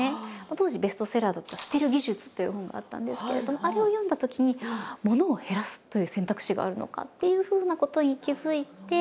当時ベストセラーだった「『捨てる！』技術」っていう本があったんですけれどもあれを読んだときにっていうふうなことに気付いて。